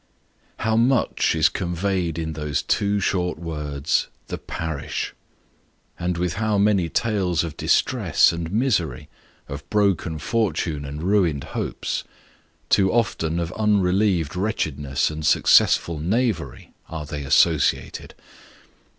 How much is conveyed in those two short words " The Parish !" And with how many tales of distress and misery, of broken fortune and ruined hopes, too often of unrelieved wretchedness and successful knavery, are they associated